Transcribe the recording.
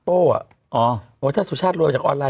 โป้ว่ะโอ้วถ้าสุชาติรวมมาจากออนไลน์